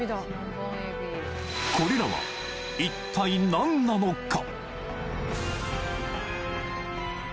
これらは一体何なのか？